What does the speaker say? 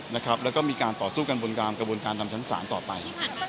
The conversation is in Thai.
แล้วก็มีการต่อสู้กันบนความกระบวนการทำสรรสารต่อไป